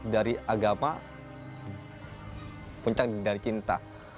dari agama puncak dari cinta